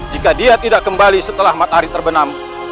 jika dia tidak kembali setelah matahari terbenam